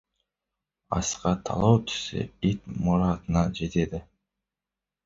Асқа талау түссе, ит мұратына жетеді.